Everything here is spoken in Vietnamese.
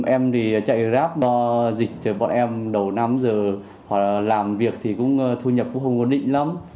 em thì chạy ráp do dịch bọn em đầu năm giờ hoặc là làm việc thì thu nhập cũng không có định lắm